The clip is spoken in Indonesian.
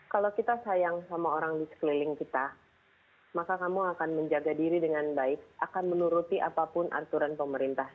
kalau kita sayang sama orang di sekeliling kita maka kamu akan menjaga diri dengan baik akan menuruti apapun aturan pemerintah